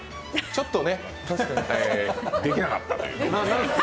ちょっとできなかったという。